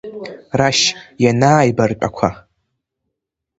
Рашь ианааибартәақәа.